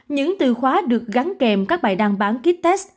những từ khóa được gắn kèm các bài đăng bán ký test